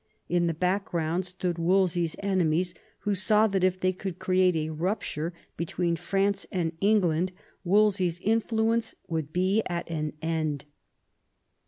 In the background stood Wolse/s enemies, who saw that if they could create a rupture between France and England Wolsey's influence would be at an end.